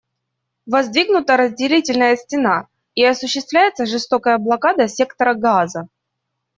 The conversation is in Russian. Воздвигнута разделительная стена, и осуществляется жестокая блокада сектора Газа.